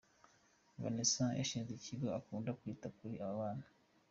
Vanessa washinze iki kigo akunda kwita kuri aba bana.